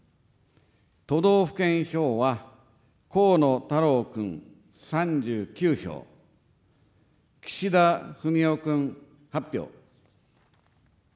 都道府県票は、河野太郎君３９票、岸田文雄君８票。